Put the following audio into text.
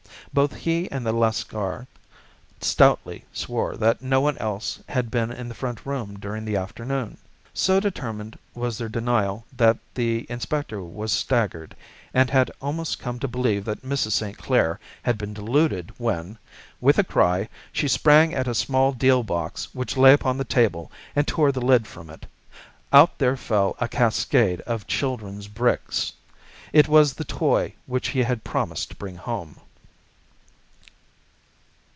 Both he and the Lascar stoutly swore that no one else had been in the front room during the afternoon. So determined was their denial that the inspector was staggered, and had almost come to believe that Mrs. St. Clair had been deluded when, with a cry, she sprang at a small deal box which lay upon the table and tore the lid from it. Out there fell a cascade of children's bricks. It was the toy which he had promised to bring home.